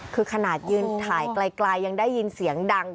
คือขนาดยืนถ่ายไกลยังได้ยินเสียงดัง